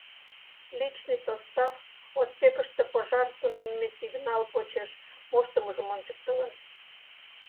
Личный состав «отсекыште пожар» тунемме сигнал почеш моштымыжым ончыктылын.